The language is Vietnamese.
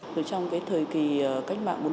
thị trường lao dụng đại học